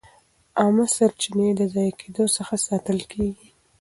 عامه سرچینې د ضایع کېدو څخه ساتل کېږي.